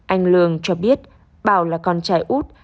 anh lương cho biết bảo là con trai út